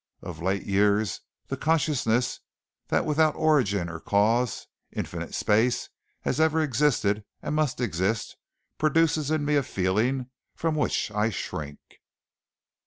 Of late years the consciousness that without origin or cause, infinite space has ever existed and must ever exist produces in me a feeling from which I shrink."